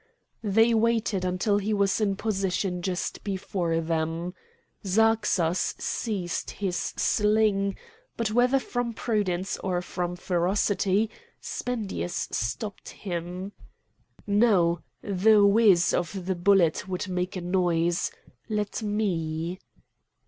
They waited until he was in position just before them. Zarxas seized his sling, but whether from prudence or from ferocity Spendius stopped him. "No, the whiz of the bullet would make a noise! Let me!"